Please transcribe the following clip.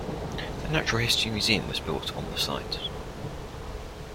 The Natural History Museum was built on the site.